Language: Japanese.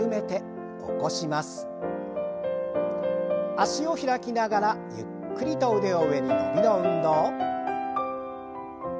脚を開きながらゆっくりと腕を上に伸びの運動。